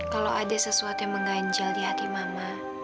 kalau ada sesuatu yang mengganjal di hati mama